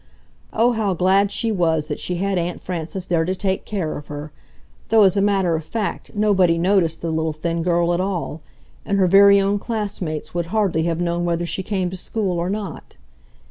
Oh, how glad she was that she had Aunt Frances there to take care of her, though as a matter of fact nobody noticed the little thin girl at all, and her very own classmates would hardly have known whether she came to school or not.